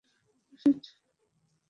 আহ, sheet.